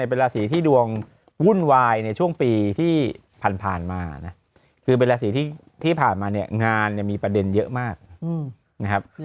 เป็นราศีที่ดวงวุ่นวายในช่วงปีที่ผ่านมานะคือเป็นราศีที่ผ่านมาเนี่ยงานมีประเด็นเยอะมากนะครับ